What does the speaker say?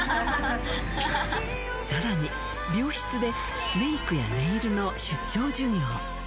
さらに、病室でメイクやネイルの出張授業。